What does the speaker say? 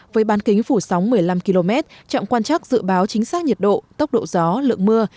với bán kính phủ sóng một mươi năm km trạm quan chắc dự báo chính xác nhiệt độ tốc độ gió lượng mưa